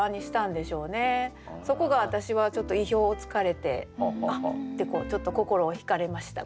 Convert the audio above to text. そこが私はちょっと意表をつかれて「あっ」ってちょっと心を引かれました。